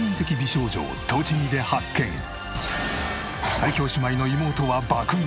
最強姉妹の妹は爆食い。